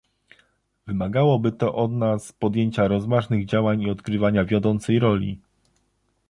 Wymagałoby to od nas podjęcia rozważnych działań i odgrywania wiodącej roli